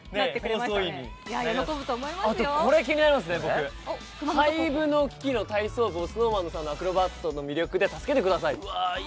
これ、気になりますね、廃部の危機の体操部をＳｎｏｗＭａｎさんのアクロバットの魅力で助けてくださいって。